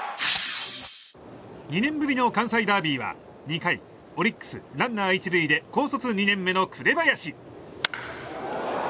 ２年ぶりの関西ダービーは２回、オリックスランナー１塁で高卒２年目の紅林。